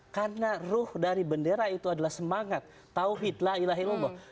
karena ruh dari bendera itu adalah semangat tauhid la ilaha ilallah